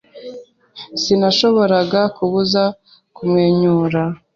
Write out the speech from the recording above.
Sinashoboraga kubuza kumwenyura.